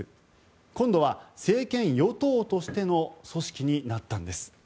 今度は政権与党としての組織になったんです。